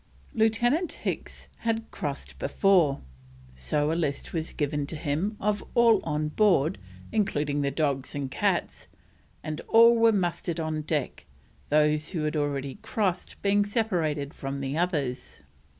Lieutenant Hicks had crossed before, so a list was given to him of all on board, including the dogs and cats, and all were mustered on deck, those who had already crossed being separated from the others.